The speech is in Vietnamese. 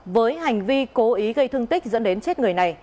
với hành vi cố ý gây thương tích dẫn đến chết người này